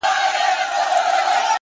د زاړه کور دیوالونه د وخت نښې ساتي